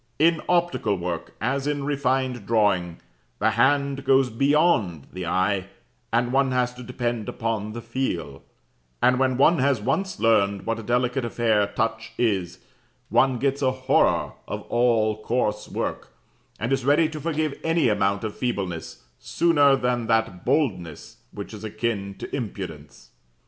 In optical work, as in refined drawing, the hand goes beyond the eye, and one has to depend upon the feel; and when one has once learned what a delicate affair touch is, one gets a horror of all coarse work, and is ready to forgive any amount of feebleness, sooner than that boldness which is akin to impudence.